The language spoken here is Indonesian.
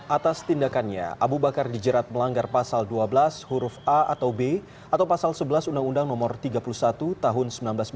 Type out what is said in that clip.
atas tindakannya abu bakar dijerat melanggar pasal dua belas huruf a atau b atau pasal sebelas undang undang no tiga puluh satu tahun seribu sembilan ratus sembilan puluh